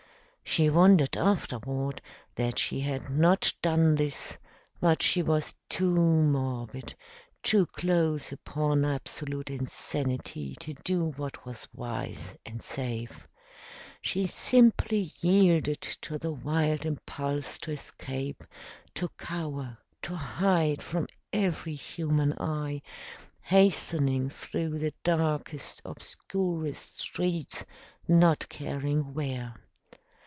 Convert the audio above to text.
She wondered afterward that she had not done this, but she was too morbid, too close upon absolute insanity, to do what was wise and safe. She simply yielded to the wild impulse to escape, to cower, to hide from every human eye, hastening through the darkest, obscurest streets, not caring where.